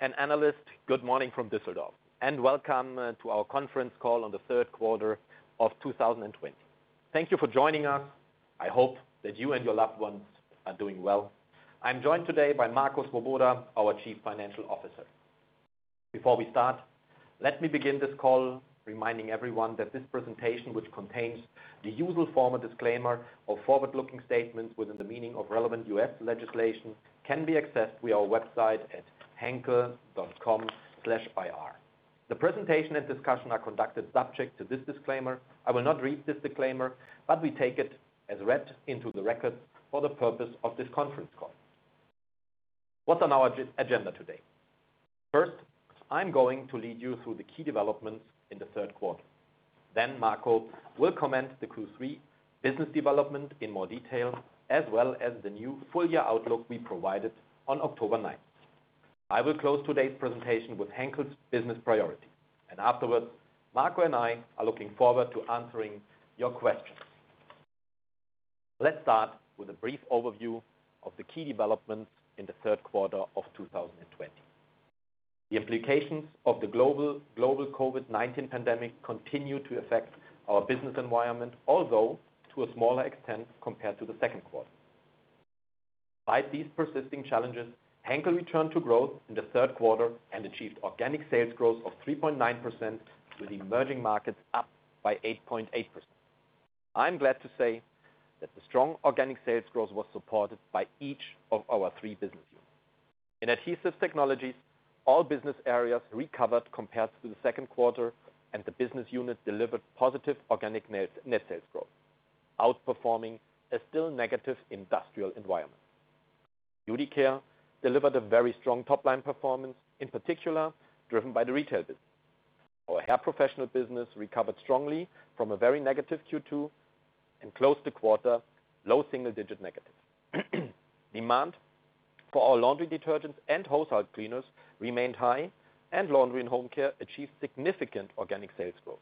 Analysts. Good morning from Düsseldorf, and welcome to our conference call on the third quarter of 2020. Thank you for joining us. I hope that you and your loved ones are doing well. I'm joined today by Marco Swoboda, our Chief Financial Officer. Before we start, let me begin this call reminding everyone that this presentation, which contains the usual formal disclaimer of forward-looking statements within the meaning of relevant U.S. legislation, can be accessed via our website at henkel.com/ir. The presentation and discussion are conducted subject to this disclaimer. I will not read this disclaimer, but we take it as read into the record for the purpose of this conference call. What's on our agenda today? First, I'm going to lead you through the key developments in the third quarter. Marco will comment the Q3 business development in more detail as well as the new full-year outlook we provided on October 9th. I will close today's presentation with Henkel's business priority, and afterwards, Marco and I are looking forward to answering your questions. Let's start with a brief overview of the key developments in the third quarter of 2020. The implications of the global COVID-19 pandemic continue to affect our business environment, although to a smaller extent compared to the second quarter. Despite these persisting challenges, Henkel returned to growth in the third quarter and achieved organic sales growth of 3.9% with emerging markets up by 8.8%. I'm glad to say that the strong organic sales growth was supported by each of our three Business Units. In Adhesive Technologies, all business areas recovered compared to the second quarter, and the business unit delivered positive organic net sales growth, outperforming a still negative industrial environment. Beauty Care delivered a very strong top-line performance, in particular driven by the retail business. Our Hair Professional business recovered strongly from a very negative Q2 and closed the quarter low single digit negative. Demand for our laundry detergent and household cleaners remained high, and Laundry and Home Care achieved significant organic sales growth.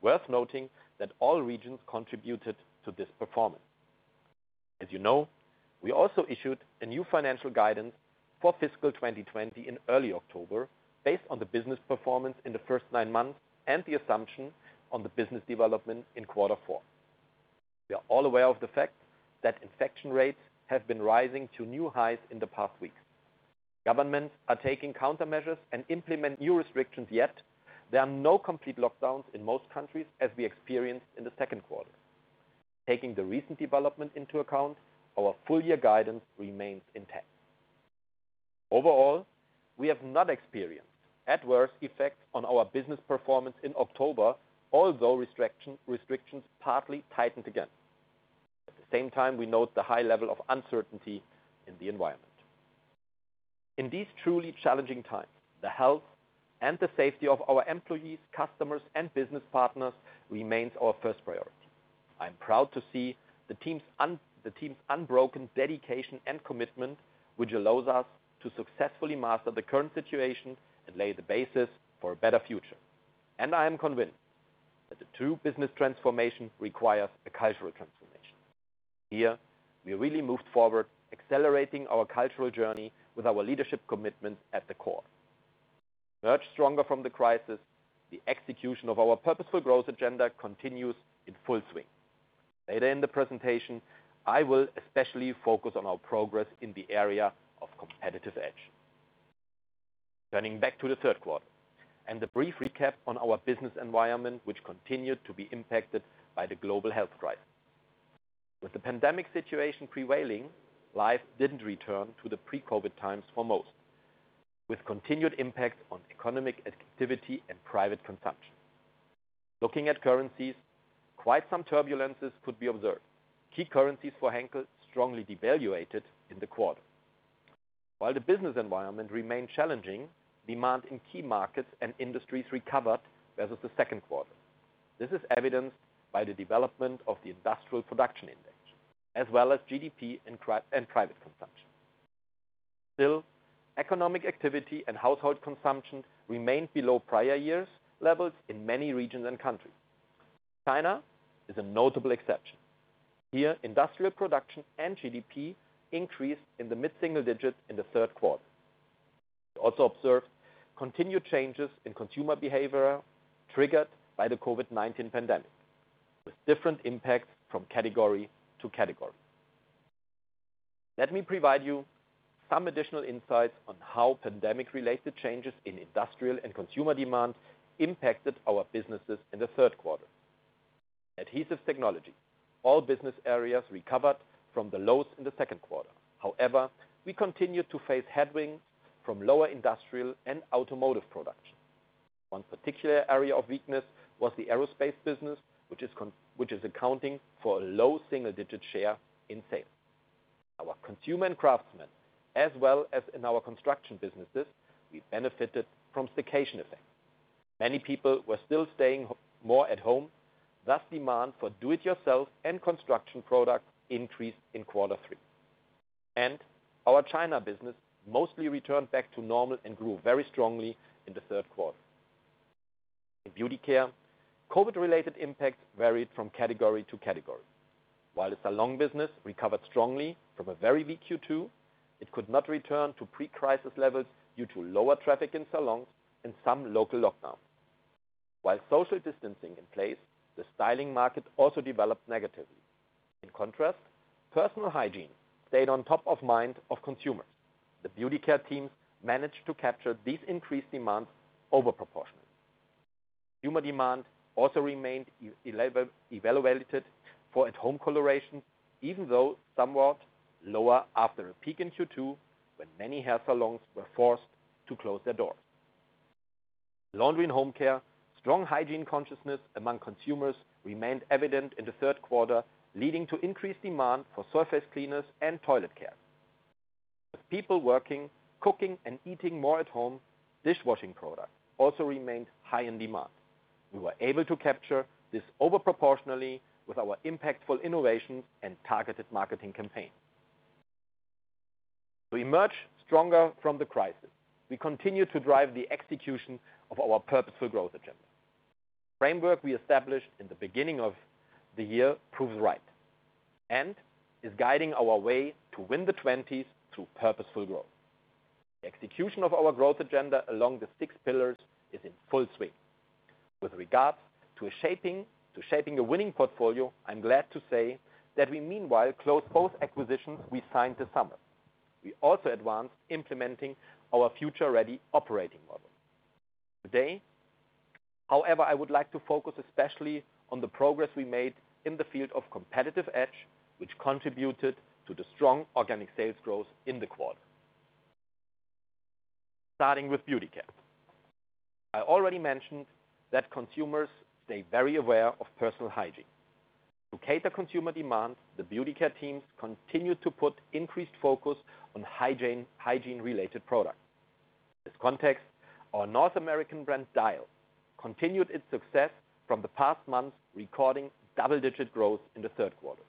Worth noting that all regions contributed to this performance. As you know, we also issued a new financial guidance for fiscal 2020 in early October based on the business performance in the first nine months and the assumption on the business development in quarter four. We are all aware of the fact that infection rates have been rising to new highs in the past weeks. Governments are taking countermeasures and implement new restrictions, yet there are no complete lockdowns in most countries as we experienced in the second quarter. Taking the recent development into account, our full year guidance remains intact. Overall, we have not experienced adverse effects on our business performance in October, although restrictions partly tightened again. We note the high level of uncertainty in the environment. In these truly challenging times, the health and the safety of our employees, customers, and business partners remains our first priority. I'm proud to see the team's unbroken dedication and commitment, which allows us to successfully master the current situation and lay the basis for a better future. I am convinced that the true business transformation requires a cultural transformation. Here, we really moved forward, accelerating our cultural journey with our leadership commitment at the core. Much stronger from the crisis, the execution of our purposeful growth agenda continues in full swing. Later in the presentation, I will especially focus on our progress in the area of competitive edge. Turning back to the third quarter and the brief recap on our business environment, which continued to be impacted by the global health crisis. With the pandemic situation prevailing, life didn't return to the pre-COVID times for most, with continued impact on economic activity and private consumption. Looking at currencies, quite some turbulences could be observed. Key currencies for Henkel strongly devaluated in the quarter. While the business environment remained challenging, demand in key markets and industries recovered versus the second quarter. This is evidenced by the development of the industrial production index, as well as GDP and private consumption. Still, economic activity and household consumption remained below prior years' levels in many regions and countries. China is a notable exception. Here, industrial production and GDP increased in the mid-single digits in the third quarter. We also observed continued changes in consumer behavior triggered by the COVID-19 pandemic, with different impacts from category to category. Let me provide you some additional insights on how pandemic-related changes in industrial and consumer demand impacted our businesses in the third quarter. Adhesive Technologies. All business areas recovered from the lows in the second quarter. However, we continued to face headwinds from lower industrial and automotive production. One particular area of weakness was the aerospace business, which is accounting for a low single-digit share in sales. Our consumer and Craftsmen, as well as in our Construction businesses, we benefited from staycation effect. Many people were still staying more at home, thus demand for do-it-yourself and construction products increased in quarter three. Our China business mostly returned back to normal and grew very strongly in the third quarter. In Beauty Care, COVID-related impacts varied from category to category. While the salon business recovered strongly from a very weak Q2, it could not return to pre-crisis levels due to lower traffic in salons and some local lockdowns. While social distancing in place, the styling market also developed negatively. In contrast, personal hygiene stayed on top of mind of consumers. The Beauty Care teams managed to capture these increased demands overproportionally. Consumer demand also remained elevated for at-home coloration, even though somewhat lower after a peak in Q2 when many hair salons were forced to close their doors. Laundry & Home Care, strong hygiene consciousness among consumers remained evident in the third quarter, leading to increased demand for surface cleaners and toilet care. With people working, cooking, and eating more at home, dishwashing products also remained high in demand. We were able to capture this overproportionally with our impactful innovations and targeted marketing campaign. We emerge stronger from the crisis. We continue to drive the execution of our purposeful growth agenda. Framework we established in the beginning of the year proves right and is guiding our way to win the '20s through purposeful growth. The execution of our growth agenda along the six pillars is in full swing. With regards to shaping a winning portfolio, I'm glad to say that we meanwhile closed both acquisitions we signed this summer. We also advanced implementing our future-ready operating model. Today, however, I would like to focus especially on the progress we made in the field of competitive edge, which contributed to the strong organic sales growth in the quarter. Starting with Beauty Care. I already mentioned that consumers stay very aware of personal hygiene. To cater consumer demands, the Beauty Care teams continued to put increased focus on hygiene-related products. In this context, our North American brand, Dial, continued its success from the past months, recording double-digit growth in the third quarter.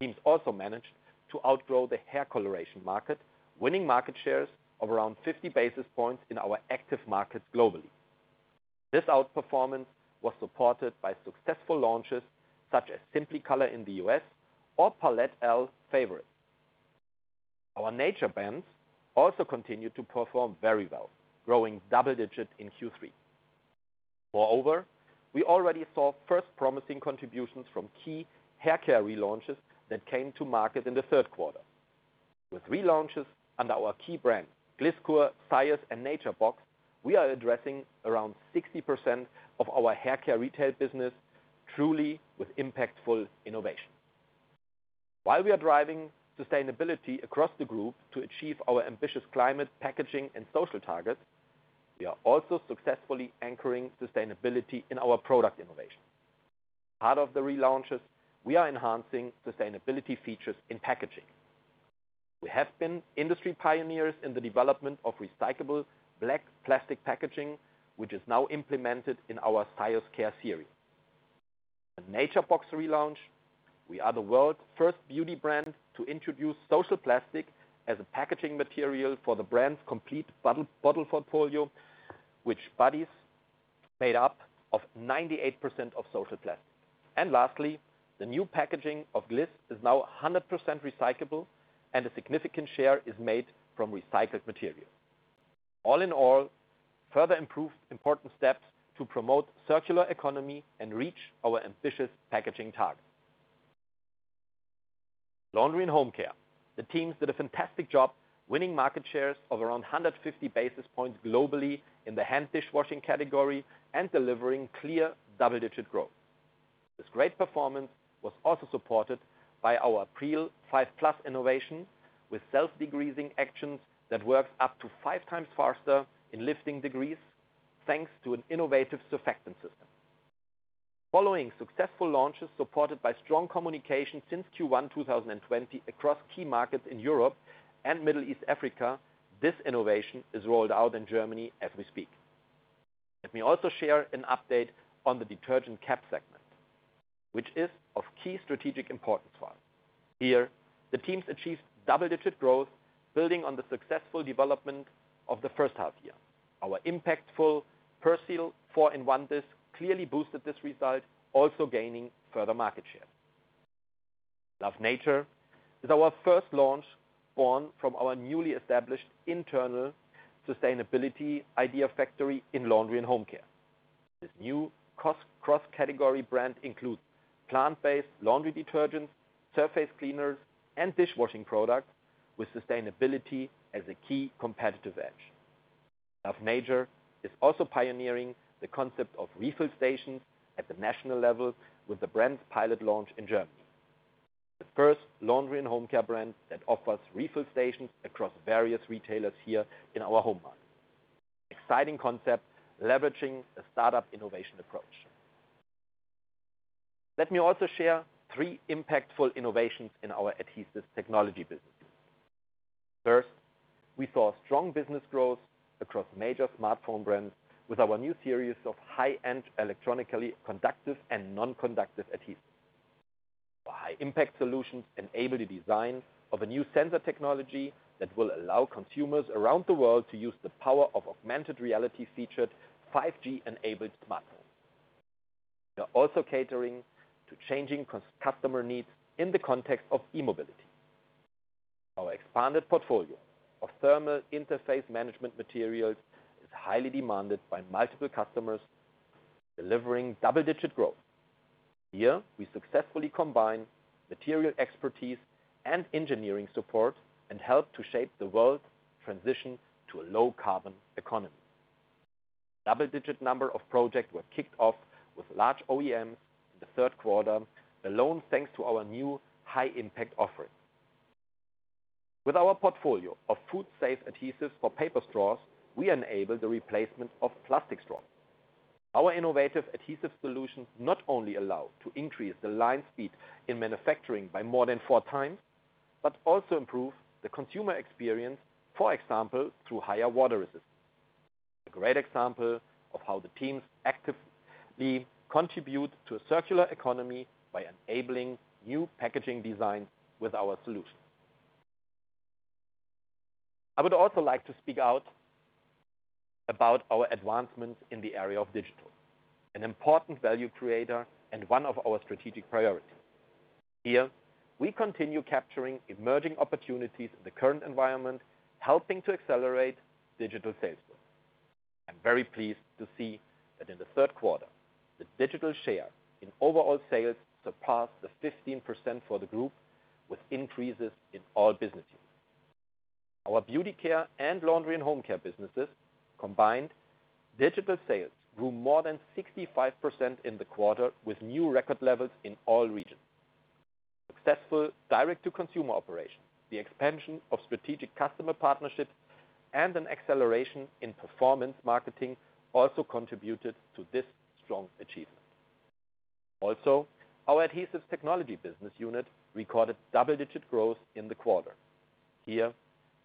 Teams also managed to outgrow the hair coloration market, winning market shares of around 50 basis points in our active markets globally. This outperformance was supported by successful launches such as Simply Color in the U.S. or Palette L Favorites. Our Nature brands also continued to perform very well, growing double digits in Q3. We already saw first promising contributions from key haircare relaunches that came to market in the third quarter. With relaunches under our key brand, Gliss Kur, Syoss, and Nature Box, we are addressing around 60% of our haircare retail business truly with impactful innovation. While we are driving sustainability across the group to achieve our ambitious climate, packaging, and social targets, we are also successfully anchoring sustainability in our product innovation. Part of the relaunches, we are enhancing sustainability features in packaging. We have been industry pioneers in the development of recyclable black plastic packaging, which is now implemented in our Syoss care series. The Nature Box relaunch, we are the world's first beauty brand to introduce Social Plastic as a packaging material for the brand's complete bottle portfolio, which bottles made up of 98% of Social Plastic. Lastly, the new packaging of Gliss is now 100% recyclable, and a significant share is made from recycled material. All in all, further important steps to promote circular economy and reach our ambitious packaging target. Laundry & Home Care. The teams did a fantastic job winning market shares of around 150 basis points globally in the hand dishwashing category and delivering clear double-digit growth. This great performance was also supported by our Pril 5+ innovation with self-degreasing actions that work up to five times faster in lifting grease, thanks to an innovative surfactant system. Following successful launches supported by strong communication since Q1 2020 across key markets in Europe and Middle East Africa, this innovation is rolled out in Germany as we speak. Let me also share an update on the detergent cap segment, which is of key strategic importance for us. Here, the teams achieved double-digit growth building on the successful development of the first half year. Our impactful Persil 4in1 Discs clearly boosted this result, also gaining further market share. Love Nature is our first launch born from our newly established internal sustainability idea factory in Laundry & Home Care. This new cross-category brand includes plant-based laundry detergents, surface cleaners, and dishwashing products with sustainability as a key competitive edge. Love Nature is also pioneering the concept of refill stations at the national level with the brand's pilot launch in Germany. The first Laundry & Home Care brand that offers refill stations across various retailers here in our homeland. Exciting concept, leveraging a startup innovation approach. Let me also share three impactful innovations in our Adhesive Technologies business. First, we saw strong business growth across major smartphone brands with our new series of high-end electronically conductive and non-conductive adhesives. High-impact solutions enable the design of a new sensor technology that will allow consumers around the world to use the power of augmented reality featured 5G-enabled smartphones. We are also catering to changing customer needs in the context of e-mobility. Our expanded portfolio of thermal interface management materials is highly demanded by multiple customers, delivering double-digit growth. Here, we successfully combine material expertise and engineering support and help to shape the world's transition to a low-carbon economy. Double-digit number of projects were kicked off with large OEMs in the third quarter alone, thanks to our new high-impact offering. With our portfolio of food-safe adhesives for paper straws, we enable the replacement of plastic straws. Our innovative adhesive solutions not only allow to increase the line speed in manufacturing by more than four times, but also improve the consumer experience, for example, through higher water resistance. A great example of how the teams actively contribute to a circular economy by enabling new packaging designs with our solutions. I would also like to speak out about our advancements in the area of digital, an important value creator and one of our strategic priorities. Here, we continue capturing emerging opportunities in the current environment, helping to accelerate digital sales growth. I'm very pleased to see that in the third quarter, the digital share in overall sales surpassed 15% for the group with increases in all business units. Our Beauty Care and Laundry & Home Care businesses, combined digital sales grew more than 65% in the quarter, with new record levels in all regions. Successful direct-to-consumer operation, the expansion of strategic customer partnerships, and an acceleration in performance marketing also contributed to this strong achievement. Also, our Adhesive Technologies business unit recorded double-digit growth in the quarter. Here,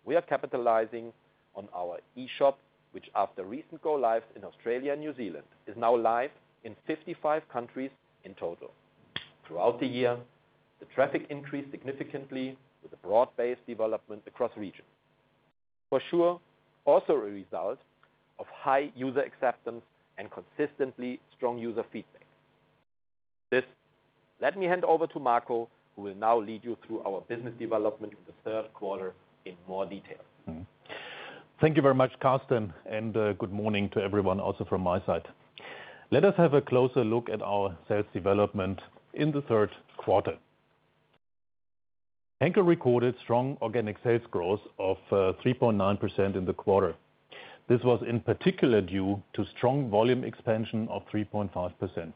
we are capitalizing on our e-shop, which after recent go live in Australia and New Zealand, is now live in 55 countries in total. Throughout the year, the traffic increased significantly with a broad-based development across regions. For sure, also a result of high user acceptance and consistently strong user feedback. With this, let me hand over to Marco, who will now lead you through our business development in the third quarter in more detail. Thank you very much, Carsten, and good morning to everyone, also from my side. Let us have a closer look at our sales development in the third quarter. Henkel recorded strong organic sales growth of 3.9% in the quarter. This was in particular due to strong volume expansion of 3.5%.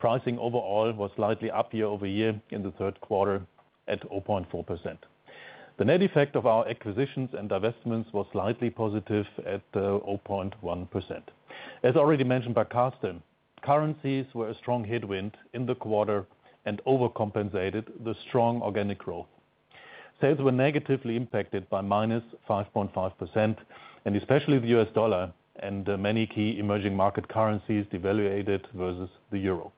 Pricing overall was slightly up year-over-year in the third quarter at 0.4%. The net effect of our acquisitions and divestments was slightly positive at 0.1%. As already mentioned by Carsten, currencies were a strong headwind in the quarter and overcompensated the strong organic growth. Sales were negatively impacted by -5.5%, and especially the US dollar and many key emerging market currencies devaluated versus the euro.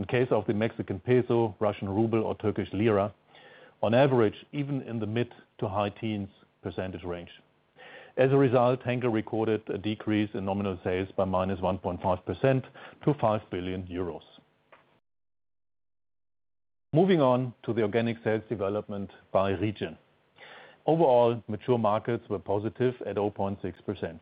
In case of the Mexican peso, Russian ruble, or Turkish lira, on average, even in the mid to high teens percentage range. As a result, Henkel recorded a decrease in nominal sales by -1.5% to 5 billion euros. Moving on to the organic sales development by region. Overall, mature markets were positive at 0.6%.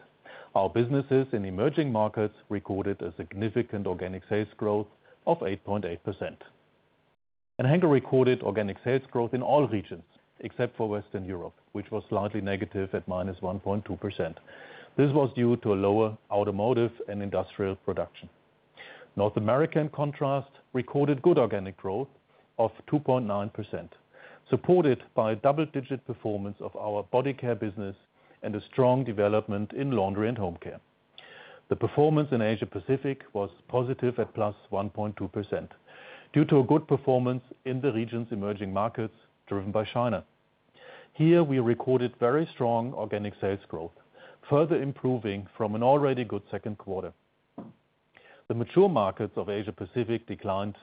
Our businesses in emerging markets recorded a significant organic sales growth of 8.8%. Henkel recorded organic sales growth in all regions, except for Western Europe, which was slightly negative at -1.2%. This was due to a lower automotive and industrial production. North America, in contrast, recorded good organic growth of 2.9%, supported by double-digit performance of our Beauty Care business and a strong development in Laundry & Home Care. The performance in Asia-Pacific was positive at +1.2% due to a good performance in the region's emerging markets, driven by China. Here, we recorded very strong organic sales growth, further improving from an already good second quarter. The mature markets of Asia-Pacific declined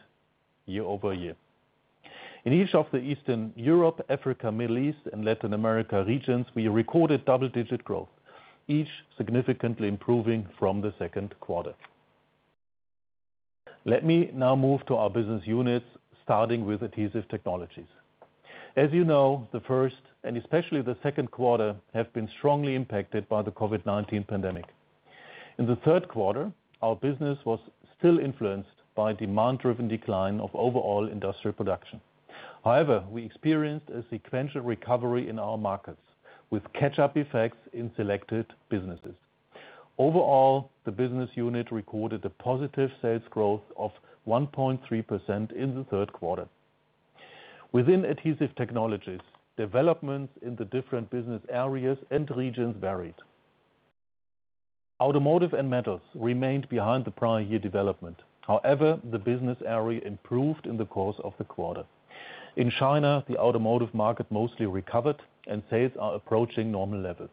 year-over-year. In each of the Eastern Europe, Africa, Middle East, and Latin America regions, we recorded double-digit growth, each significantly improving from the second quarter. Let me now move to our business units, starting with Adhesive Technologies. As you know, the first and especially the second quarter have been strongly impacted by the COVID-19 pandemic. In the third quarter, our business was still influenced by a demand-driven decline of overall industrial production. However, we experienced a sequential recovery in our markets with catch-up effects in selected businesses. Overall, the business unit recorded a positive sales growth of 1.3% in the third quarter. Within Adhesive Technologies, developments in the different business areas and regions varied. Automotive and metals remained behind the prior year development. However, the business area improved in the course of the quarter. In China, the automotive market mostly recovered. Sales are approaching normal levels.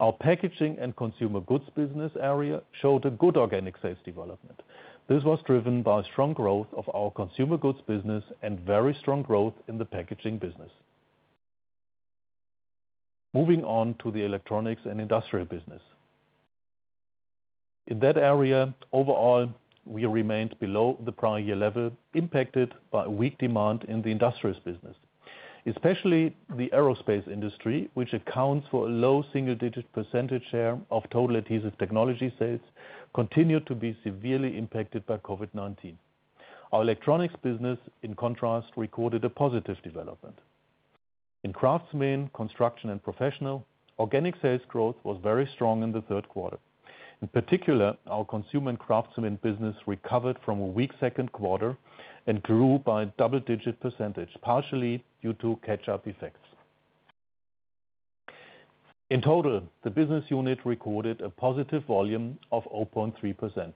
Our packaging and consumer goods business area showed a good organic sales development. This was driven by strong growth of our consumer goods business and very strong growth in the packaging business. Moving on to the electronics and industrial business. In that area, overall, we remained below the prior year level, impacted by weak demand in the industrials business. Especially the aerospace industry, which accounts for a low single-digit percentage share of total Adhesive Technologies sales, continued to be severely impacted by COVID-19. Our electronics business, in contrast, recorded a positive development. In Craftsmen, Construction & Professional, organic sales growth was very strong in the third quarter. In particular, our consumer and craftsman business recovered from a weak second quarter and grew by a double-digit percentage, partially due to catch-up effects. In total, the business unit recorded a positive volume of 0.3%.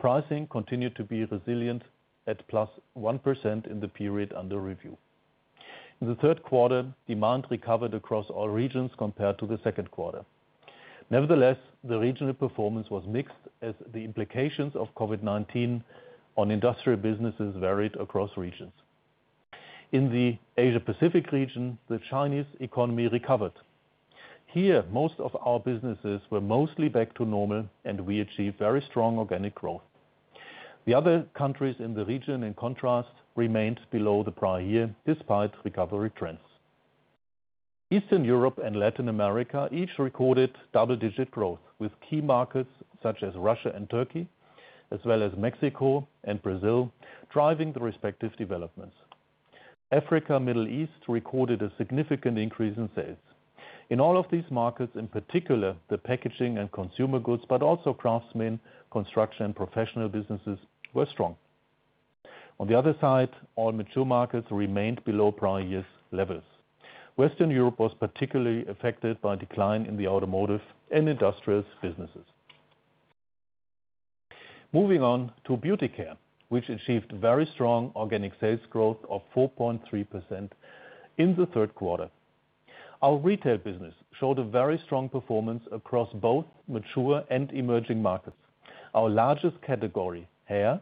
Pricing continued to be resilient at plus 1% in the period under review. In the third quarter, demand recovered across all regions compared to the second quarter. Nevertheless, the regional performance was mixed, as the implications of COVID-19 on industrial businesses varied across regions. In the Asia Pacific region, the Chinese economy recovered. Here, most of our businesses were mostly back to normal, and we achieved very strong organic growth. The other countries in the region, in contrast, remained below the prior year, despite recovery trends. Eastern Europe and Latin America each recorded double-digit growth, with key markets such as Russia and Turkey, as well as Mexico and Brazil, driving the respective developments. Africa, Middle East recorded a significant increase in sales. In all of these markets, in particular, the packaging and consumer goods, but also Craftsmen, Construction & Professional businesses were strong. On the other side, all mature markets remained below prior years' levels. Western Europe was particularly affected by a decline in the automotive and industrials businesses. Moving on to Beauty Care, which achieved very strong organic sales growth of 4.3% in the third quarter. Our retail business showed a very strong performance across both mature and emerging markets. Our largest category, hair,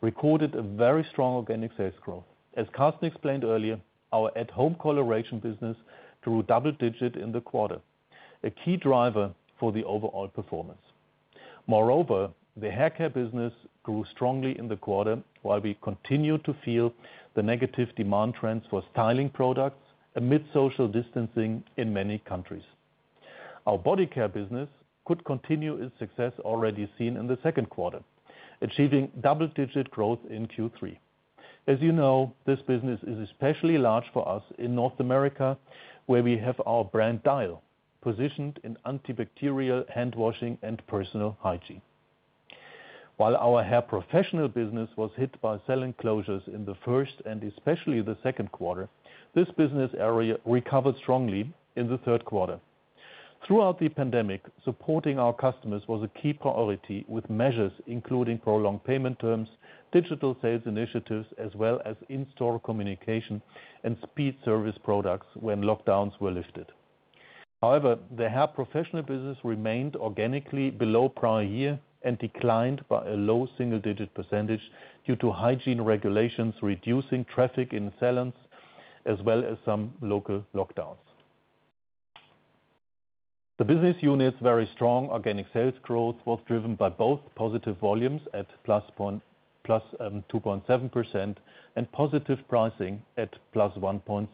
recorded a very strong organic sales growth. As Carsten explained earlier, our at-home coloration business grew double digit in the quarter, a key driver for the overall performance. The haircare business grew strongly in the quarter while we continued to feel the negative demand trends for styling products amid social distancing in many countries. Our body care business could continue its success already seen in the second quarter, achieving double-digit growth in Q3. As you know, this business is especially large for us in North America, where we have our brand, Dial, positioned in antibacterial handwashing and personal hygiene. While our hair professional business was hit by salon closures in the first and especially the second quarter, this business area recovered strongly in the third quarter. Throughout the pandemic, supporting our customers was a key priority with measures including prolonged payment terms, digital sales initiatives, as well as in-store communication and speed service products when lockdowns were lifted. The hair professional business remained organically below prior year and declined by a low single-digit percentage due to hygiene regulations reducing traffic in salons, as well as some local lockdowns. The business unit's very strong organic sales growth was driven by both positive volumes at +2.7% and positive pricing at +1.6%.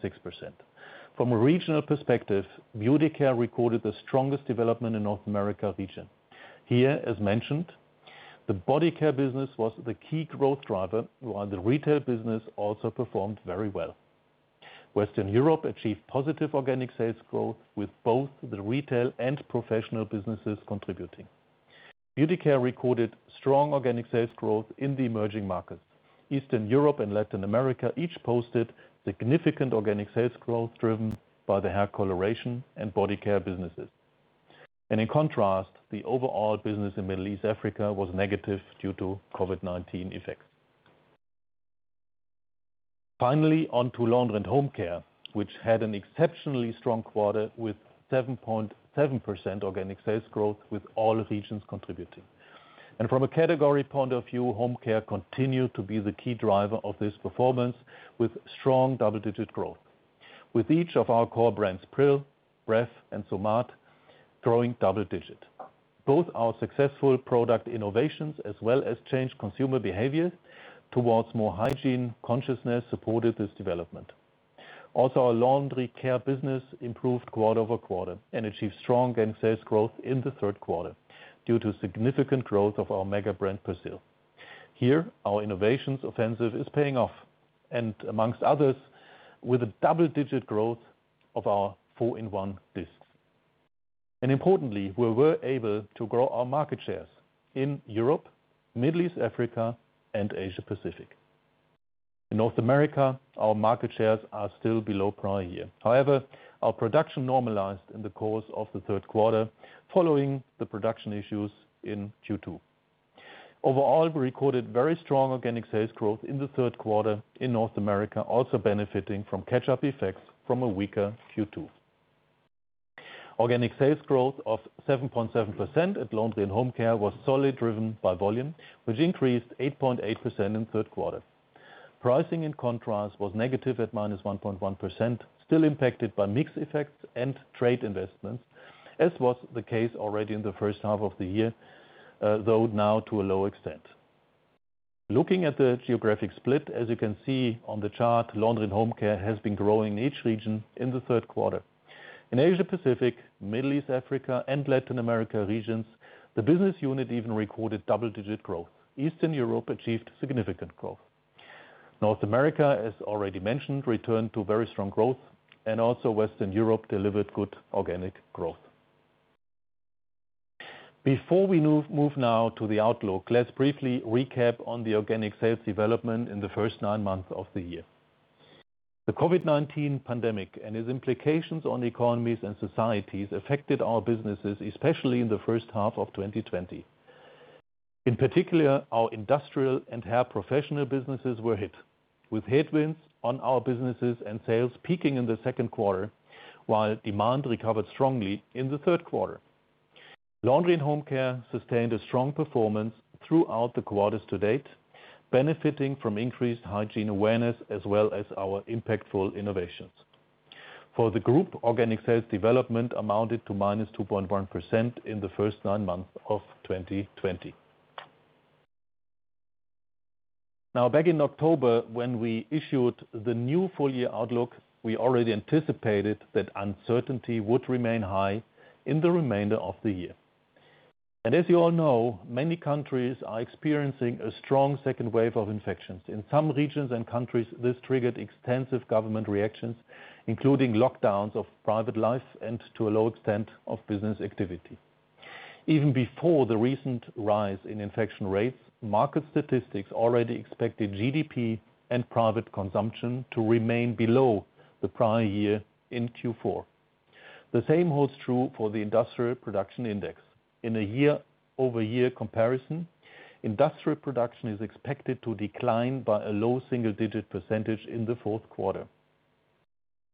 From a regional perspective, Beauty Care recorded the strongest development in North America region. Here, as mentioned, the body care business was the key growth driver, while the retail business also performed very well. Western Europe achieved positive organic sales growth with both the retail and professional businesses contributing. Beauty Care recorded strong organic sales growth in the emerging markets. Eastern Europe and Latin America each posted significant organic sales growth driven by the hair coloration and body care businesses. In contrast, the overall business in Middle East Africa was negative due to COVID-19 effects. Finally, on to Laundry & Home Care, which had an exceptionally strong quarter with 7.7% organic sales growth with all regions contributing. From a category point of view, Home Care continued to be the key driver of this performance with strong double-digit growth. With each of our core brands, Pril, Bref, and Somat, growing double digit. Both our successful product innovations as well as changed consumer behaviors towards more hygiene consciousness supported this development. Our Laundry Care business improved quarter-over-quarter and achieved strong gain sales growth in the third quarter due to significant growth of our mega brand, Persil. Our innovations offensive is paying off and amongst others, with a double-digit growth of our 4in1 Discs. Importantly, we were able to grow our market shares in Europe, Middle East, Africa, and Asia Pacific. In North America, our market shares are still below prior year. Our production normalized in the course of the third quarter following the production issues in Q2. We recorded very strong organic sales growth in the third quarter in North America, also benefiting from catch-up effects from a weaker Q2. Organic sales growth of 7.7% at Laundry & Home Care was solely driven by volume, which increased 8.8% in the third quarter. Pricing, in contrast, was negative at -1.1%, still impacted by mix effects and trade investments, as was the case already in the first half of the year, though now to a lower extent. Looking at the geographic split, as you can see on the chart, Laundry & Home Care has been growing in each region in the third quarter. In Asia Pacific, Middle East, Africa and Latin America regions, the business unit even recorded double-digit growth. Eastern Europe achieved significant growth. North America, as already mentioned, returned to very strong growth, and also Western Europe delivered good organic growth. Before we move now to the outlook, let's briefly recap on the organic sales development in the first nine months of the year. The COVID-19 pandemic and its implications on economies and societies affected our businesses, especially in the first half of 2020. In particular, our industrial and hair professional businesses were hit, with headwinds on our businesses and sales peaking in the second quarter, while demand recovered strongly in the third quarter. Laundry & Home Care sustained a strong performance throughout the quarters to date, benefiting from increased hygiene awareness as well as our impactful innovations. For the group, organic sales development amounted to -2.1% in the first nine months of 2020. Now, back in October, when we issued the new full-year outlook, we already anticipated that uncertainty would remain high in the remainder of the year. As you all know, many countries are experiencing a strong second wave of infections. In some regions and countries, this triggered extensive government reactions, including lockdowns of private life and, to a lower extent, of business activity. Even before the recent rise in infection rates, market statistics already expected GDP and private consumption to remain below the prior year in Q4. The same holds true for the industrial production index. In a year-over-year comparison, industrial production is expected to decline by a lower single-digit percentage in the fourth quarter.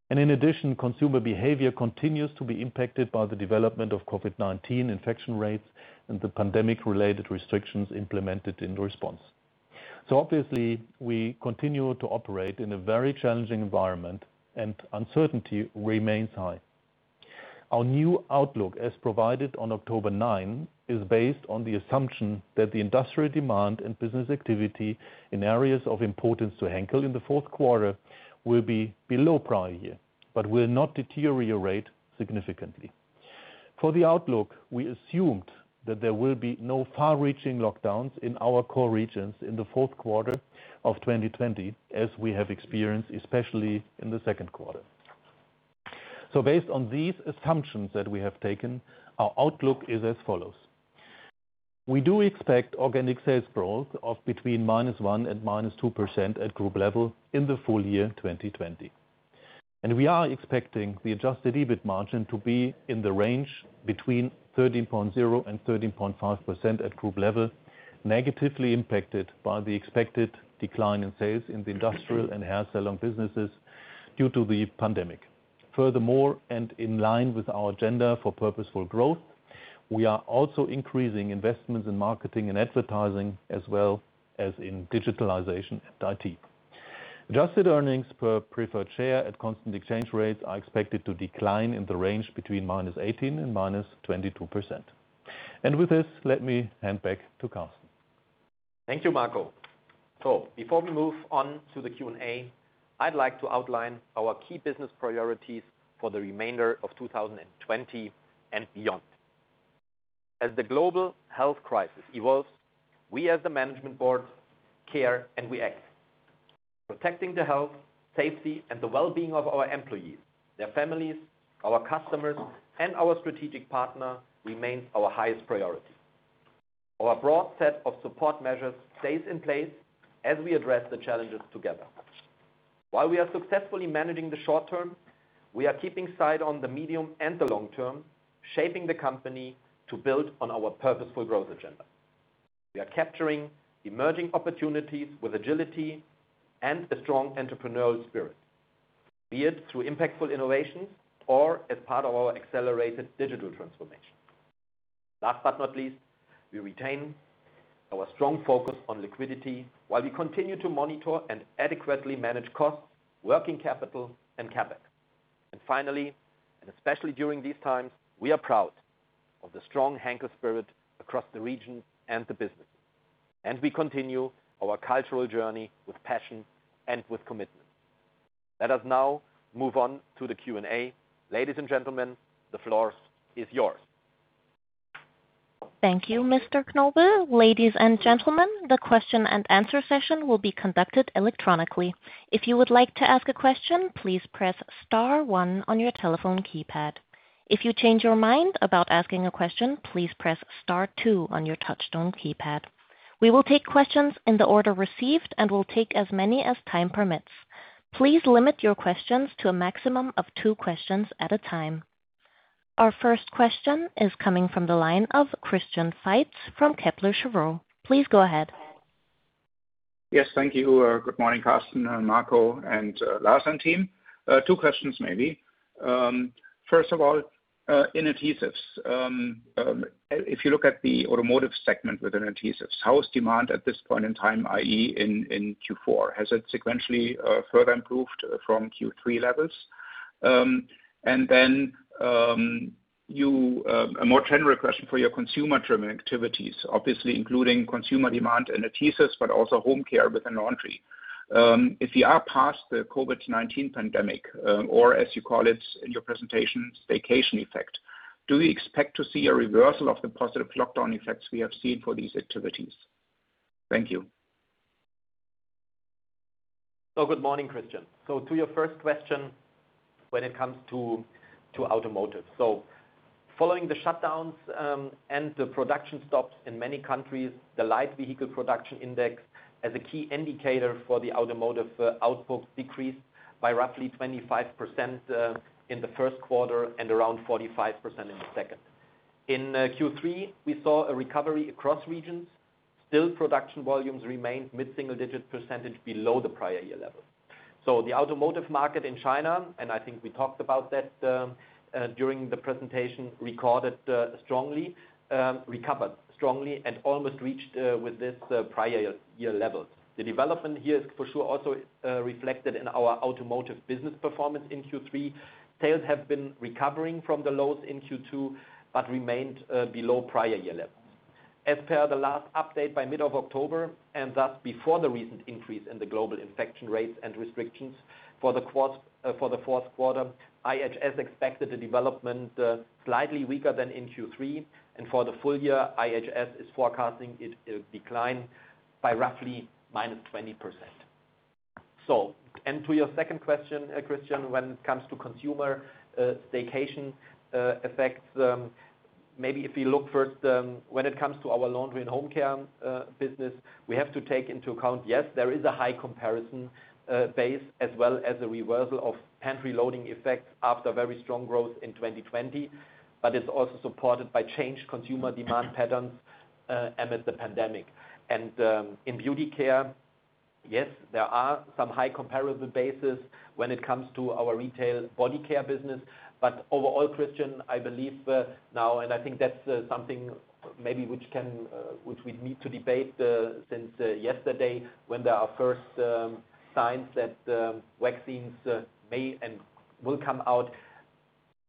In addition, consumer behavior continues to be impacted by the development of COVID-19 infection rates and the pandemic-related restrictions implemented in response. Obviously, we continue to operate in a very challenging environment, and uncertainty remains high. Our new outlook, as provided on October 9, is based on the assumption that the industrial demand and business activity in areas of importance to Henkel in the fourth quarter will be below prior year, but will not deteriorate significantly. For the outlook, we assumed that there will be no far-reaching lockdowns in our core regions in the fourth quarter of 2020, as we have experienced, especially in the second quarter. Based on these assumptions that we have taken, our outlook is as follows. We do expect organic sales growth of between -1% and -2% at group level in the full year 2020. We are expecting the adjusted EBIT margin to be in the range between 13.0% and 13.5% at group level, negatively impacted by the expected decline in sales in the Industrial and Hair Salon businesses due to the pandemic. Furthermore, in line with our agenda for Purposeful Growth, we are also increasing investments in marketing and advertising as well as in digitalization and IT. Adjusted earnings per preferred share at constant exchange rates are expected to decline in the range between -18% and -22%. With this, let me hand back to Carsten. Thank you, Marco. Before we move on to the Q&A, I'd like to outline our key business priorities for the remainder of 2020 and beyond. As the global health crisis evolves, we as the management board care and we act. Protecting the health, safety, and the well-being of our employees, their families, our customers, and our strategic partner remains our highest priority. Our broad set of support measures stays in place as we address the challenges together. While we are successfully managing the short term, we are keeping sight on the medium and the long term, shaping the company to build on our purposeful growth agenda. We are capturing emerging opportunities with agility and a strong entrepreneurial spirit, be it through impactful innovations or as part of our accelerated digital transformation. Last but not least, we retain our strong focus on liquidity while we continue to monitor and adequately manage costs, working capital, and CapEx. Finally, and especially during these times, we are proud of the strong Henkel spirit across the region and the business, and we continue our cultural journey with passion and with commitment. Let us now move on to the Q&A. Ladies and gentlemen, the floor is yours. Thank you, Mr. Knobel. Ladies and gentlemen, the question and answer session will be conducted electronically. If you would like to ask a question, please press Star one on your telephone keypad. If you change your mind about asking a question, please press Star two on your touchtone keypad. We will take questions in the order received and will take as many as time permits. Please limit your questions to a maximum of two questions at a time. Our first question is coming from the line of Christian Faitz from Kepler Cheuvreux. Please go ahead. Yes. Thank you. Good morning, Carsten and Marco and Lars and team. Two questions maybe. First of all, in adhesives. If you look at the automotive segment with adhesives, how is demand at this point in time, i.e., in Q4? Has it sequentially further improved from Q3 levels? Then a more general question for your consumer-driven activities, obviously including consumer demand adhesives, but also home care within laundry. If you are past the COVID-19 pandemic, or as you call it in your presentation, staycation effect, do we expect to see a reversal of the positive lockdown effects we have seen for these activities? Thank you. Good morning, Christian. To your first question, when it comes to automotive. Following the shutdowns, and the production stops in many countries, the light vehicle production index as a key indicator for the automotive outputs decreased by roughly 25% in the first quarter and around 45% in the second. In Q3, we saw a recovery across regions. Production volumes remained mid-single digit percentage below the prior year level. The automotive market in China, and I think we talked about that during the presentation, recovered strongly and almost reached with this prior year level. The development here is for sure also reflected in our automotive business performance in Q3. Sales have been recovering from the lows in Q2, but remained below prior year levels. As per the last update by mid-October, and thus before the recent increase in the global infection rates and restrictions for the fourth quarter, IHS expected the development slightly weaker than in Q3, and for the full year, IHS is forecasting it will decline by roughly -20%. To your second question, Christian, when it comes to consumer staycation effects, maybe if you look first when it comes to our Laundry & Home Care business, we have to take into account, yes, there is a high comparison base as well as a reversal of pantry loading effects after very strong growth in 2020, but it's also supported by changed consumer demand patterns amid the pandemic. In Beauty Care, yes, there are some high comparable bases when it comes to our retail body care business. Overall, Christian, I believe now, and I think that's something maybe which we need to debate since yesterday when there are first signs that vaccines may and will come out.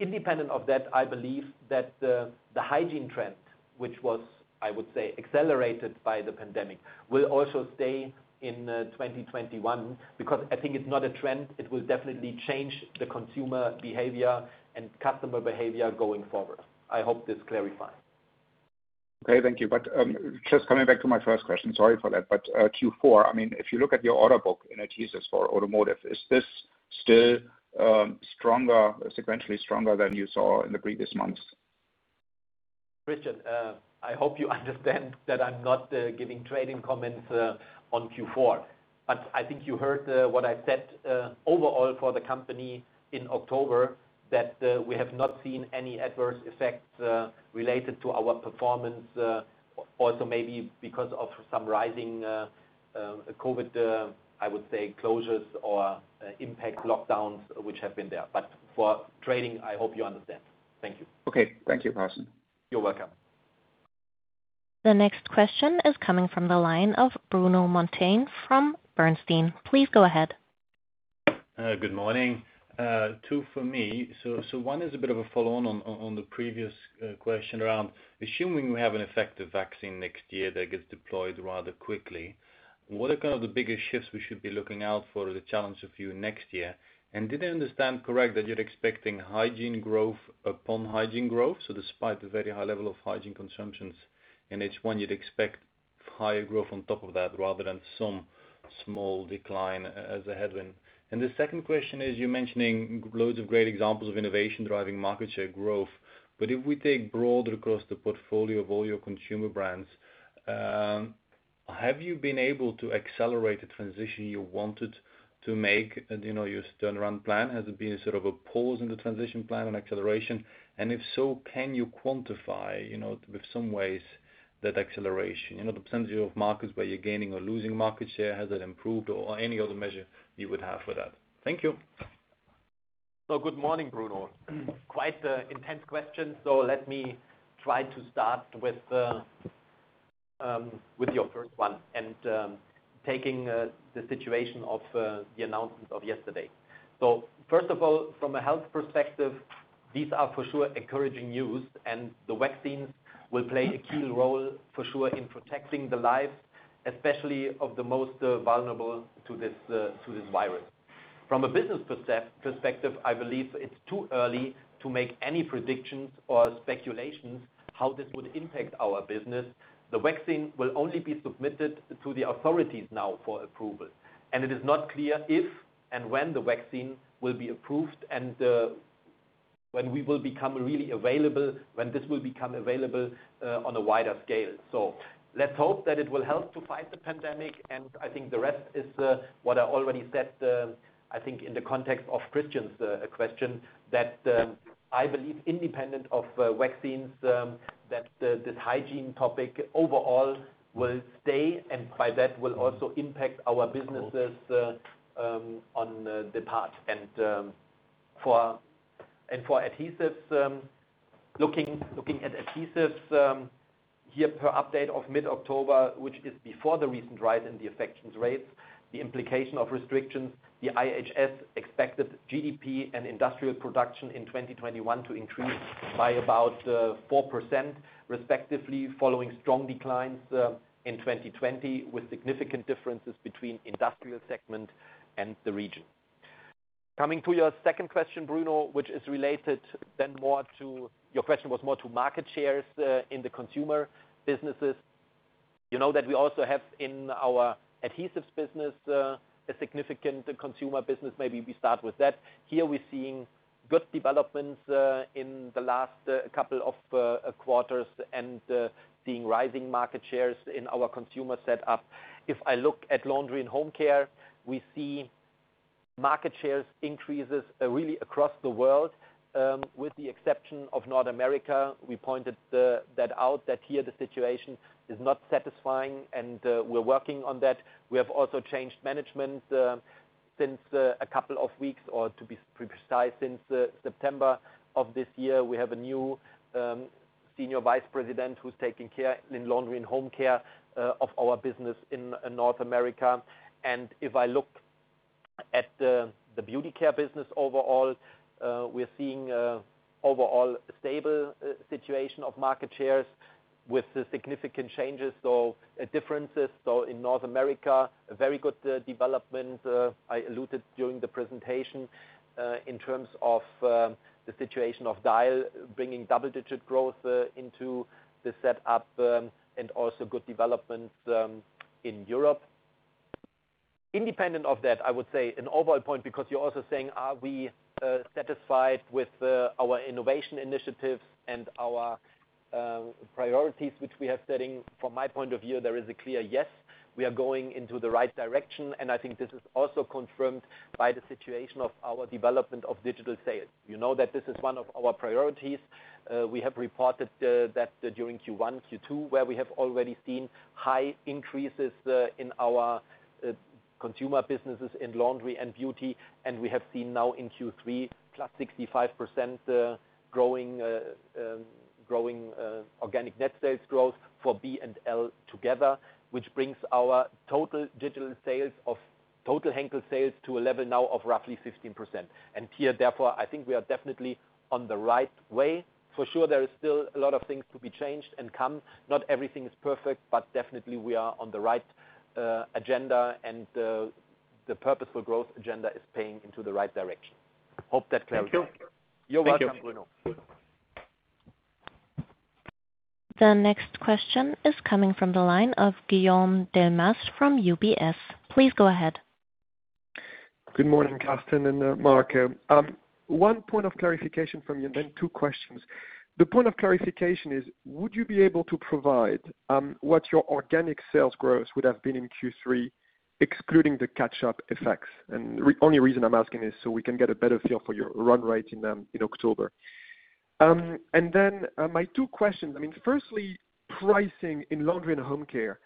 Independent of that, I believe that the hygiene trend, which was, I would say, accelerated by the pandemic, will also stay in 2021 because I think it's not a trend. It will definitely change the consumer behavior and customer behavior going forward. I hope this clarifies. Okay. Thank you. Just coming back to my first question, sorry for that, Q4, if you look at your order book in adhesives for automotive, is this still sequentially stronger than you saw in the previous months? Christian, I hope you understand that I'm not giving trading comments on Q4. I think you heard what I said, overall for the company in October, that we have not seen any adverse effects related to our performance. Also maybe because of some rising COVID-19, I would say closures or impact lockdowns, which have been there. For trading, I hope you understand. Okay. Thank you, Carsten. You're welcome. The next question is coming from the line of Bruno Monteyne from Bernstein. Please go ahead. Good morning. Two for me. One is a bit of a follow-on on the previous question around assuming we have an effective vaccine next year that gets deployed rather quickly, what are the biggest shifts we should be looking out for that challenge you next year? Did I understand correct that you're expecting hygiene growth upon hygiene growth? Despite the very high level of hygiene consumptions in H1, you'd expect higher growth on top of that rather than some small decline as a headwind. The second question is, you're mentioning loads of great examples of innovation driving market share growth. If we take broader across the portfolio of all your consumer brands, have you been able to accelerate the transition you wanted to make? Your turnaround plan, has there been a sort of a pause in the transition plan and acceleration? If so, can you quantify, with some ways, that acceleration? The percentage of markets where you're gaining or losing market share, has it improved? Any other measure you would have for that. Thank you. Good morning, Bruno. Quite the intense question, so let me try to start with your first one. Taking the situation of the announcement of yesterday. First of all, from a health perspective, these are for sure encouraging news. The vaccines will play a key role for sure in protecting the lives, especially of the most vulnerable to this virus. From a business perspective, I believe it's too early to make any predictions or speculations how this would impact our business. The vaccine will only be submitted to the authorities now for approval. It is not clear if and when the vaccine will be approved and when this will become really available on a wider scale. Let's hope that it will help to fight the pandemic, and I think the rest is what I already said, I think in the context of Christian's question, that I believe independent of vaccines, that this hygiene topic overall will stay and by that will also impact our businesses on the part. For Adhesives, looking at Adhesives here per update of mid-October, which is before the recent rise in the infection rates, the implication of restrictions, the IHS expected GDP and industrial production in 2021 to increase by about 4% respectively following strong declines in 2020 with significant differences between industrial segment and the region. Coming to your second question, Bruno, your question was more to market shares in the consumer businesses. You know that we also have in our Adhesives business, a significant consumer business. Maybe we start with that. Here we're seeing good developments in the last couple of quarters and seeing rising market shares in our consumer set up. If I look at Laundry & Home Care, we see market shares increases really across the world. With the exception of North America, we pointed that out that here the situation is not satisfying and we're working on that. We have also changed management since a couple of weeks or to be precise, since September of this year. We have a new senior vice president who's taking care in Laundry & Home Care of our business in North America. If I look at the Beauty Care business overall, we're seeing overall stable situation of market shares with significant changes or differences. In North America, a very good development I alluded during the presentation, in terms of the situation of Dial bringing double-digit growth into the setup, and also good development in Europe. Independent of that, I would say an overall point, because you're also saying, are we satisfied with our innovation initiatives and our priorities, which we are setting? From my point of view, there is a clear yes, we are going into the right direction. I think this is also confirmed by the situation of our development of digital sales. You know that this is one of our priorities. We have reported that during Q1, Q2, where we have already seen high increases in our consumer businesses in Laundry and Beauty. We have seen now in Q3, +65% growing organic net sales growth for B and L together, which brings our total digital sales of total Henkel sales to a level now of roughly 15%. Here, therefore, I think we are definitely on the right way. For sure, there is still a lot of things to be changed and come, not everything is perfect, but definitely we are on the right agenda and the purposeful growth agenda is paying into the right direction. Hope that clarifies. Thank you. You're welcome, Bruno. Thank you. The next question is coming from the line of Guillaume Delmas from UBS. Please go ahead. Good morning, Carsten and Marco. One point of clarification from you and then two questions. The point of clarification is, would you be able to provide what your organic sales growth would have been in Q3 excluding the catch-up effects? Only reason I'm asking is so we can get a better feel for your run rate in October. Then, my two questions, firstly, pricing in Laundry & Home Care.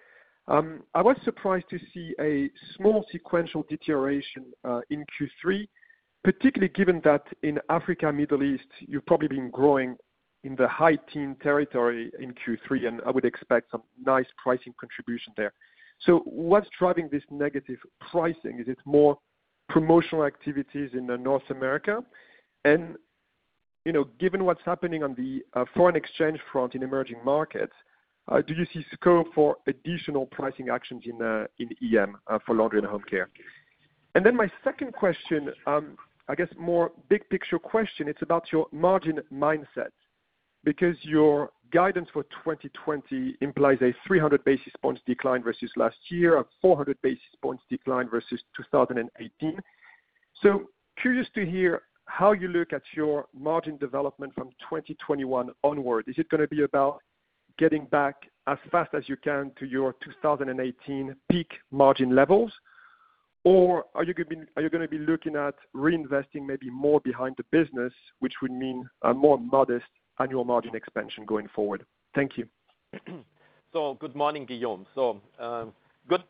I was surprised to see a small sequential deterioration in Q3, particularly given that in Africa, Middle East, you've probably been growing in the high teen territory in Q3, I would expect some nice pricing contribution there. What's driving this negative pricing? Is it more promotional activities in North America? Given what's happening on the foreign exchange front in emerging markets, do you see scope for additional pricing actions in EM for Laundry & Home Care? Then my second question, I guess more big picture question, it's about your margin mindset because your guidance for 2020 implies a 300 basis points decline versus last year, a 400 basis points decline versus 2018. Curious to hear how you look at your margin development from 2021 onward. Is it going to be about getting back as fast as you can to your 2018 peak margin levels, or are you going to be looking at reinvesting maybe more behind the business, which would mean a more modest annual margin expansion going forward? Thank you. Good morning, Guillaume. Good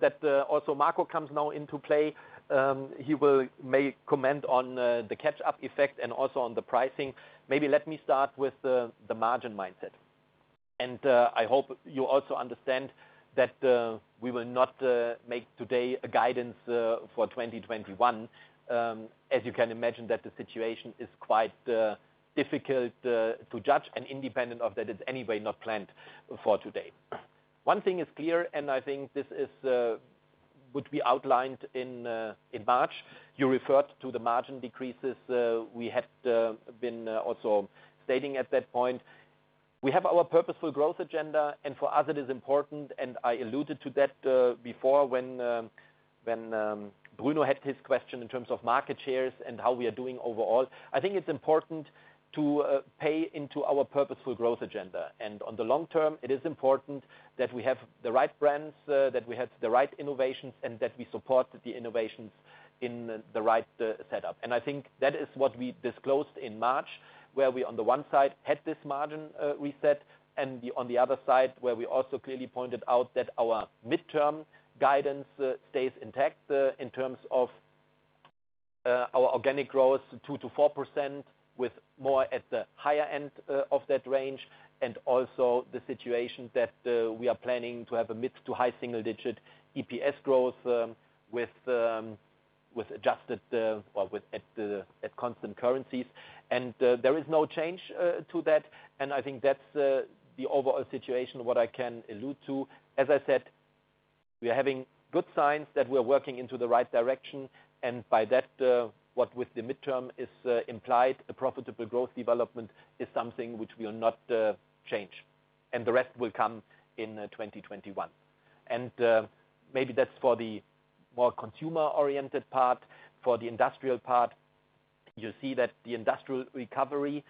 that also Marco comes now into play. He will may comment on the catch-up effect and also on the pricing. Let me start with the margin mindset. I hope you also understand that we will not make today a guidance for 2021. As you can imagine that the situation is quite difficult to judge and independent of that it's anyway not planned for today. One thing is clear. I think this would be outlined in March. You referred to the margin decreases we had been also stating at that point. We have our purposeful growth agenda. For us it is important, and I alluded to that before when Bruno had his question in terms of market shares and how we are doing overall. I think it's important to pay into our purposeful growth agenda. On the long term, it is important that we have the right brands, that we have the right innovations, and that we support the innovations in the right setup. I think that is what we disclosed in March, where we, on the one side, had this margin reset, and on the other side, where we also clearly pointed out that our midterm guidance stays intact in terms of our organic growth 2%-4% with more at the higher end of that range. Also the situation that we are planning to have a mid to high single digit EPS growth at constant currencies. There is no change to that, and I think that's the overall situation, what I can allude to. As I said, we are having good signs that we are working into the right direction. By that, what with the midterm is implied, a profitable growth development is something which we will not change, and the rest will come in 2021. Maybe that's for the more consumer-oriented part. For the industrial part, you see that the industrial recovery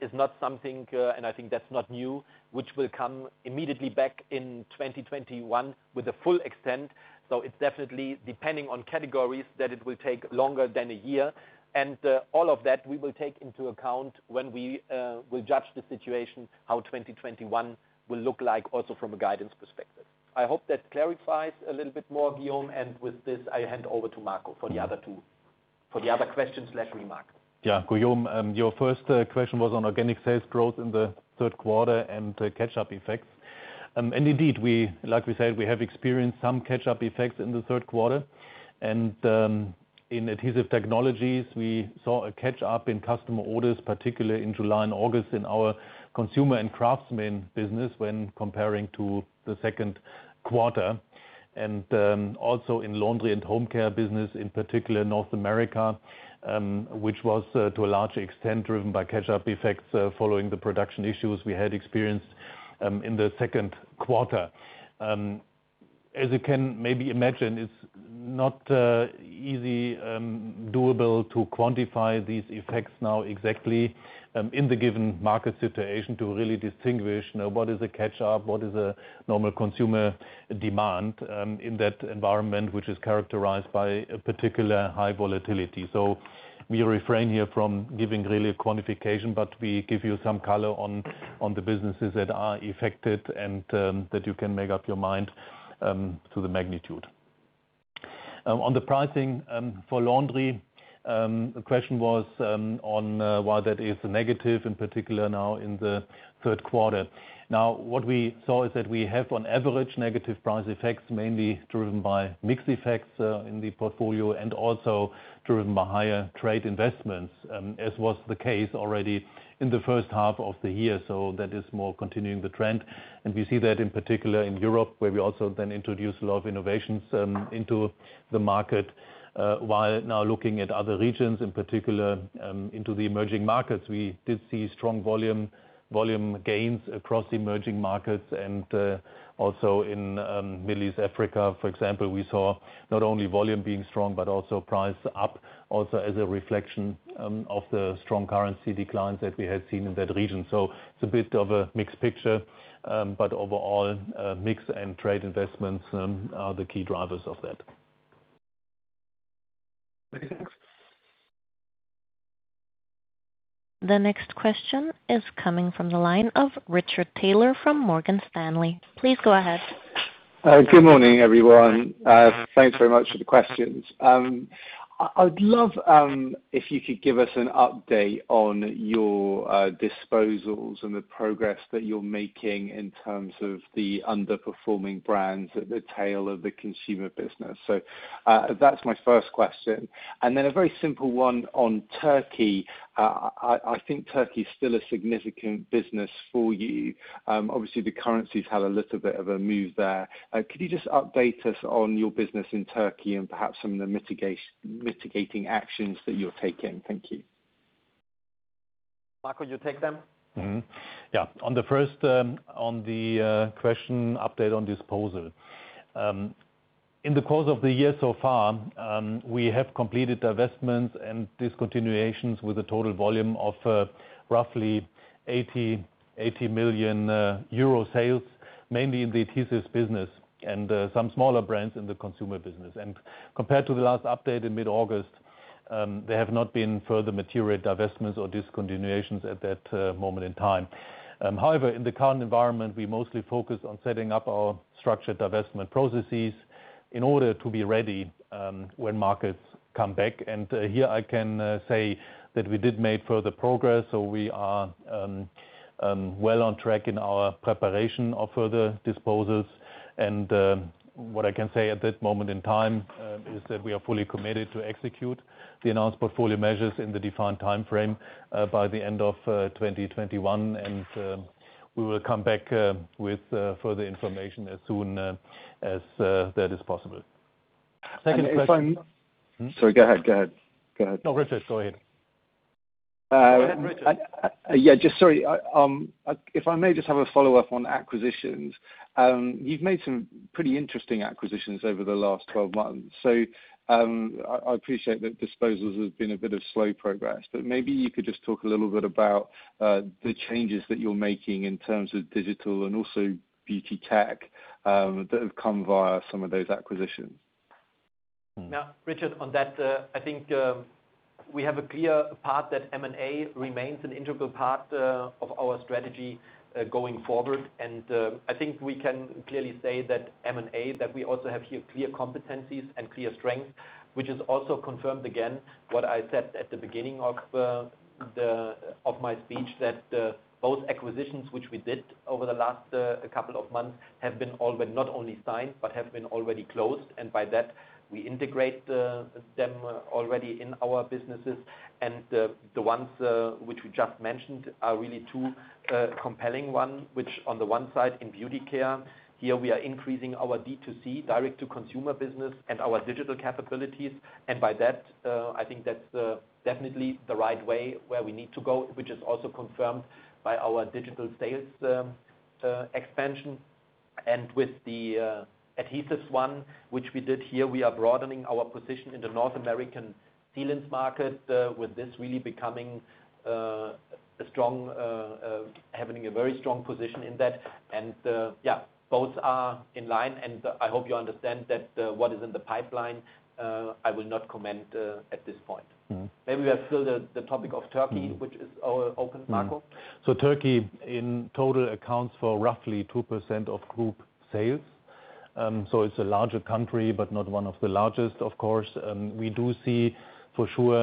is not something, and I think that's not new, which will come immediately back in 2021 with a full extent. It's definitely depending on categories that it will take longer than a year. All of that we will take into account when we will judge the situation how 2021 will look like also from a guidance perspective. I hope that clarifies a little bit more, Guillaume, and with this, I hand over to Marco for the other questions/remarks. Yeah. Guillaume, your first question was on organic sales growth in the third quarter and the catch-up effects. Indeed, like we said, we have experienced some catch-up effects in the third quarter. In Adhesive Technologies, we saw a catch-up in customer orders, particularly in July and August in our consumer and craftsman business when comparing to the second quarter. Also in Laundry & Home Care business, in particular North America, which was to a large extent driven by catch-up effects following the production issues we had experienced in the second quarter. As you can maybe imagine, it's not easy doable to quantify these effects now exactly, in the given market situation, to really distinguish what is a catch-up, what is a normal consumer demand in that environment, which is characterized by a particular high volatility. We refrain here from giving really a quantification, but we give you some color on the businesses that are affected and that you can make up your mind to the magnitude. On the pricing for laundry, the question was on why that is negative, in particular now in the third quarter. What we saw is that we have, on average, negative price effects, mainly driven by mix effects in the portfolio and also driven by higher trade investments, as was the case already in the first half of the year. That is more continuing the trend. We see that in particular in Europe, where we also then introduce a lot of innovations into the market. Now looking at other regions, in particular into the emerging markets, we did see strong volume gains across emerging markets and also in Middle East Africa, for example, we saw not only volume being strong, but also price up also as a reflection of the strong currency declines that we had seen in that region. It's a bit of a mixed picture. Overall, mix and trade investments are the key drivers of that. Okay, thanks. The next question is coming from the line of Richard Taylor from Morgan Stanley. Please go ahead. Good morning, everyone. Thanks very much for the questions. I'd love if you could give us an update on your disposals and the progress that you're making in terms of the underperforming brands at the tail of the consumer business. That's my first question. A very simple one on Turkey. I think Turkey is still a significant business for you. Obviously, the currency's had a little bit of a move there. Could you just update us on your business in Turkey and perhaps some of the mitigating actions that you're taking? Thank you. Marco, you take them? On the question update on disposal. In the course of the year so far, we have completed divestments and discontinuations with a total volume of roughly 80 million euro sales, mainly in the Adhesive Technologies business and some smaller brands in the consumer business. Compared to the last update in mid-August, there have not been further material divestments or discontinuations at that moment in time. However, in the current environment, we mostly focus on setting up our structured divestment processes in order to be ready when markets come back. Here I can say that we did make further progress, so we are well on track in our preparation of further disposals. What I can say at that moment in time is that we are fully committed to execute the announced portfolio measures in the defined timeframe by the end of 2021. We will come back with further information as soon as that is possible. Sorry, go ahead. No, Richard, go ahead. Yeah, just sorry. If I may just have a follow-up on acquisitions. You've made some pretty interesting acquisitions over the last 12 months. I appreciate that disposals have been a bit of slow progress, but maybe you could just talk a little bit about the changes that you're making in terms of digital and also beauty tech, that have come via some of those acquisitions. Richard, on that, I think we have a clear path that M&A remains an integral part of our strategy going forward. I think we can clearly say that M&A, that we also have here clear competencies and clear strengths, which is also confirmed again, what I said at the beginning of my speech, that both acquisitions which we did over the last couple of months have been not only signed, but have been already closed. By that, we integrate them already in our businesses. The ones which we just mentioned are really two compelling one, which on the one side, in Beauty Care, here we are increasing our D2C, direct-to-consumer business and our digital capabilities. By that, I think that's definitely the right way where we need to go, which is also confirmed by our digital sales expansion. With the adhesives one, which we did here, we are broadening our position in the North American sealants market, with this really having a very strong position in that. Yeah, both are in line. I hope you understand that what is in the pipeline, I will not comment at this point. Maybe we have still the topic of Turkey, which is our open market. Turkey in total accounts for roughly 2% of group sales. It's a larger country, but not one of the largest, of course. We do see for sure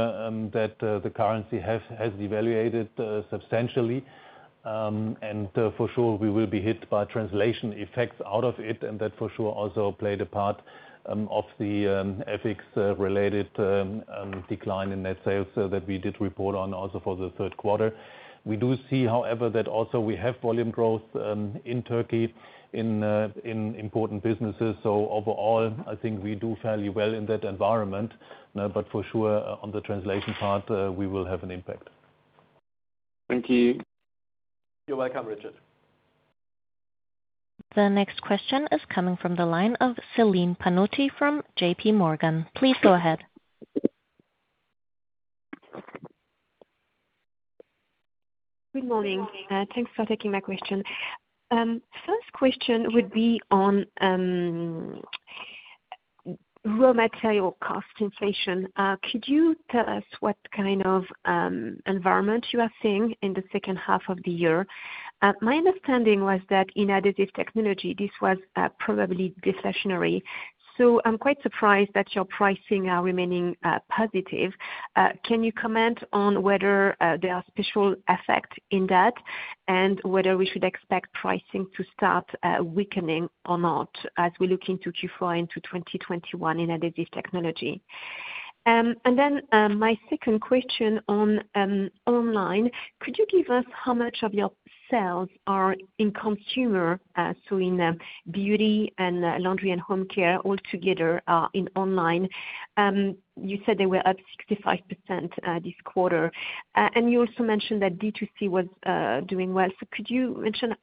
that the currency has devaluated substantially. For sure we will be hit by translation effects out of it and that for sure also played a part of the FX related decline in net sales so that we did report on also for the third quarter. We do see, however, that also we have volume growth in Turkey in important businesses. Overall, I think we do fairly well in that environment. For sure, on the translation part, we will have an impact. Thank you. You're welcome, Richard. The next question is coming from the line of Celine Pannuti from J.P. Morgan. Please go ahead. Good morning. Thanks for taking my question. First question would be on raw material cost inflation. Could you tell us what kind of environment you are seeing in the second half of the year? My understanding was that in Adhesive Technologies, this was probably discretionary. I'm quite surprised that your pricing are remaining positive. Can you comment on whether there are special effect in that and whether we should expect pricing to start weakening or not as we look into Q4 into 2021 in Adhesive Technologies? My second question on online. Could you give us how much of your sales are in consumer, so in Beauty Care and Laundry & Home Care all together are in online? You said they were up 65% this quarter. You also mentioned that D2C was doing well. Could you mention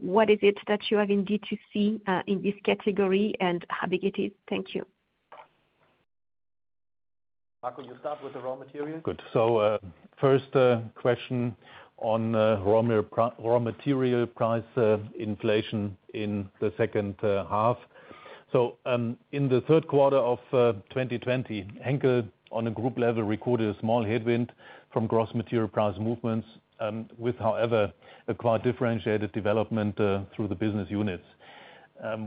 what is it that you have in D2C, in this category and how big it is? Thank you. Marco, you start with the raw material? Good. First question on raw material price inflation in the second half. In the third quarter of 2020, Henkel on a group level recorded a small headwind from gross material price movements, with however, quite differentiated development through the business units.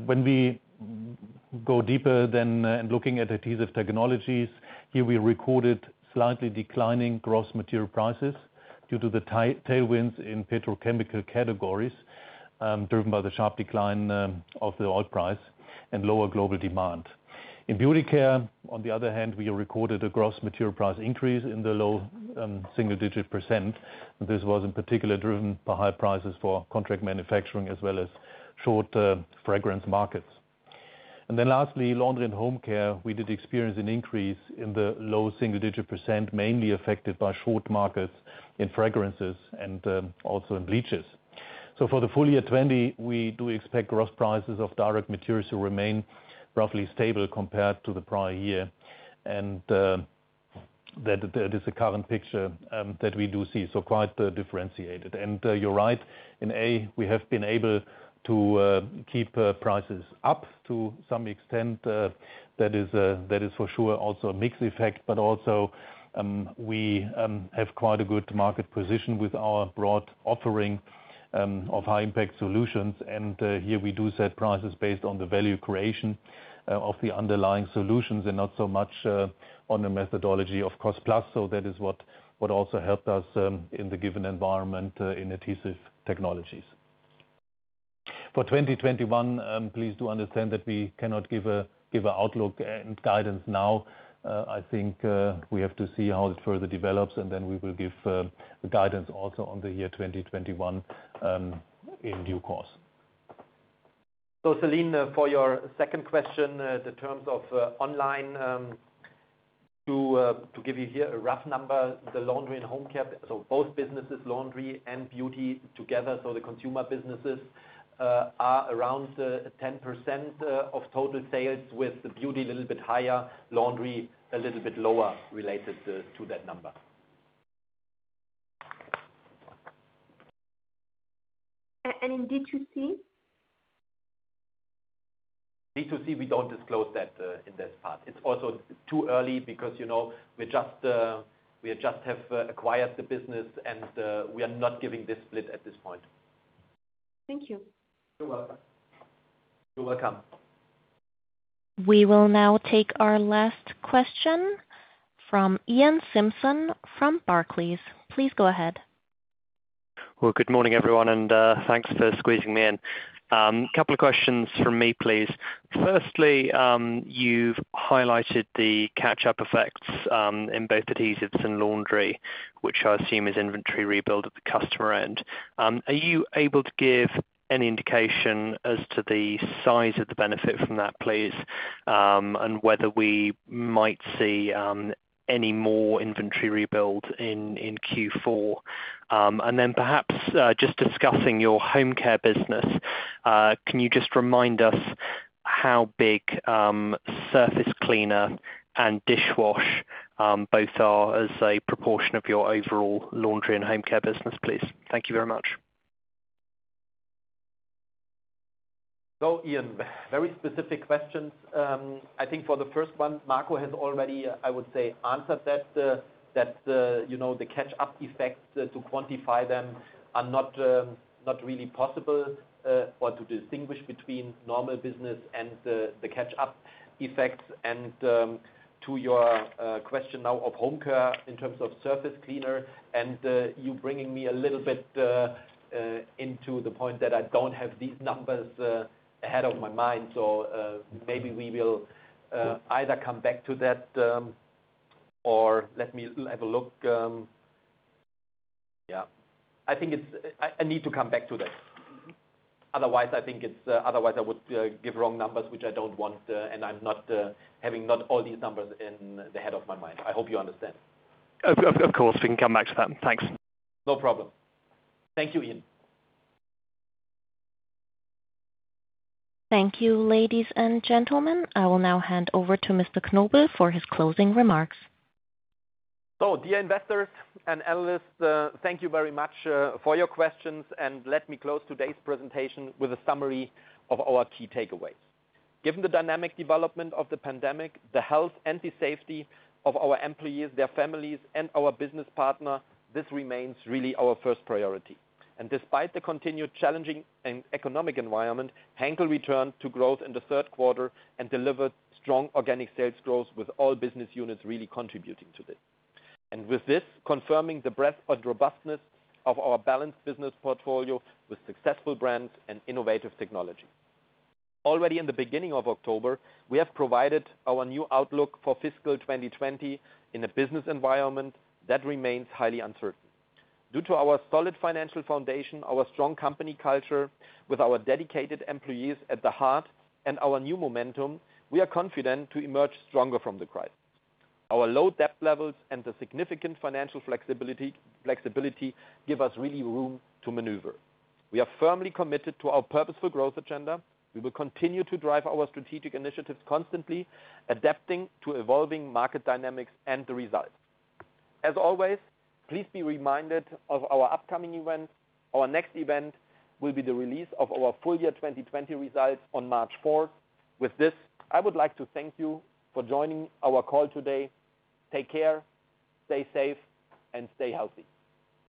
When we go deeper then, looking at Adhesive Technologies, here we recorded slightly declining gross material prices due to the tailwinds in petrochemical categories, driven by the sharp decline of the oil price and lower global demand. In Beauty Care, on the other hand, we recorded a gross material price increase in the low single-digit %. This was in particular driven by high prices for contract manufacturing as well as short fragrance markets. Lastly, Laundry & Home Care, we did experience an increase in the low single-digit %, mainly affected by short markets in fragrances and also in bleaches. For the full year 2020, we do expect gross prices of direct materials to remain roughly stable compared to the prior year. That is the current picture that we do see. Quite differentiated. You are right, in A, we have been able to keep prices up to some extent. That is for sure also a mixed effect, also, we have quite a good market position with our broad offering of high impact solutions. Here we do set prices based on the value creation of the underlying solutions and not so much on the methodology of cost plus. That is what also helped us in the given environment in Adhesive Technologies. For 2021, please do understand that we cannot give an outlook and guidance now. I think we have to see how it further develops and then we will give guidance also on the year 2021 in due course. Celine, for your second question, the terms of online, to give you here a rough number, the Laundry & Home Care, so both businesses, Laundry & Beauty Care together, so the consumer businesses, are around 10% of total sales, with the Beauty Care a little bit higher, Laundry & Home Care a little bit lower related to that number. In D2C? D2C, we don't disclose that in this part. It's also too early because we just have acquired the business, and we are not giving the split at this point. Thank you. You're welcome. We will now take our last question from Iain Simpson from Barclays. Please go ahead. Well, good morning, everyone, and thanks for squeezing me in. Couple of questions from me, please. Firstly, you've highlighted the catch-up effects in both adhesives and laundry, which I assume is inventory rebuild at the customer end. Are you able to give any indication as to the size of the benefit from that, please, and whether we might see any more inventory rebuild in Q4? Then perhaps, just discussing your home care business, can you just remind us how big surface cleaner and dishwash both are as a proportion of your overall Laundry & Home Care business, please? Thank you very much. Iain, very specific questions. I think for the first one, Marco has already, I would say, answered that, the catch-up effects to quantify them are not really possible or to distinguish between normal business and the catch-up effects. To your question now of home care in terms of surface cleaner and you bringing me a little bit into the point that I don't have these numbers ahead of my mind. Maybe we will either come back to that, or let me have a look. Yeah. I need to come back to that. Otherwise, I would give wrong numbers, which I don't want, and I'm not having not all these numbers in the head of my mind. I hope you understand. Of course, we can come back to that. Thanks. No problem. Thank you, Iain. Thank you, ladies and gentlemen. I will now hand over to Mr. Knobel for his closing remarks. Dear investors and analysts, thank you very much for your questions, and let me close today's presentation with a summary of our key takeaways. Given the dynamic development of the pandemic, the health, and the safety of our employees, their families, and our business partner, this remains really our first priority. Despite the continued challenging and economic environment, Henkel returned to growth in the third quarter and delivered strong organic sales growth with all business units really contributing to this. With this, confirming the breadth and robustness of our balanced business portfolio with successful brands and innovative technology. Already in the beginning of October, we have provided our new outlook for fiscal 2020 in a business environment that remains highly uncertain. Due to our solid financial foundation, our strong company culture with our dedicated employees at the heart, and our new momentum, we are confident to emerge stronger from the crisis. Our low debt levels and the significant financial flexibility give us really room to maneuver. We are firmly committed to our purposeful growth agenda. We will continue to drive our strategic initiatives, constantly adapting to evolving market dynamics and the results. As always, please be reminded of our upcoming events. Our next event will be the release of our full year 2020 results on March 4th. With this, I would like to thank you for joining our call today. Take care, stay safe, and stay healthy.